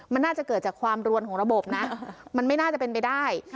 มันน่าจะเกิดจากความรวนของระบบนะมันไม่น่าจะเป็นไปได้